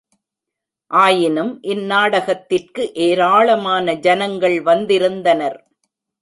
ஆயினும் இந்நாடகத்திற்கு ஏராளமான ஜனங்கள் வந்திருந்தனர்.